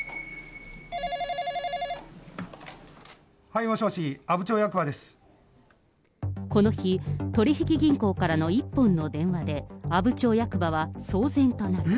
はいもしもし、この日、取り引き銀行からの一本の電話で、阿武町役場は騒然となる。